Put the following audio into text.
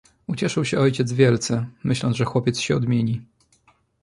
"Ucieszył się ojciec wielce, myśląc, że chłopiec się odmieni."